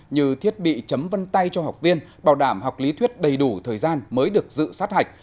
như thiết bị chấm vân tay cho học viên bảo đảm học lý thuyết đầy đủ thời gian mới được dự sát hạch